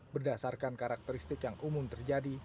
berdasarkan karakteristik yang umum terjadi